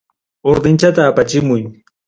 Ordenchata apachimuy.